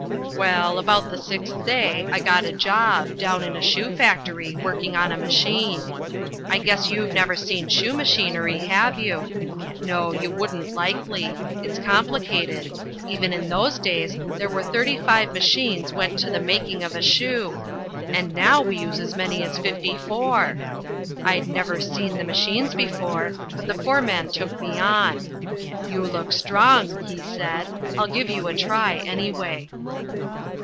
Well, about the sixth day I got a job, down in a shoe factory, working on a machine. I guess you've never seen shoe machinery, have you? No, you wouldn't likely. It's complicated. Even in those days there were thirty five machines went to the making of a shoe, and now we use as many as fifty four. I'd never seen the machines before, but the foreman took me on. "You look strong," he said "I'll give you a try anyway."